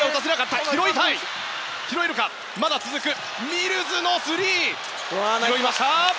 ミルズのスリー拾いました。